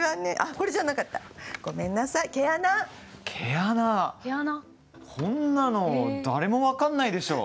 こんなの誰も分かんないでしょう。